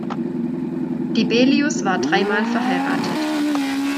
Dibelius war dreimal verheiratet.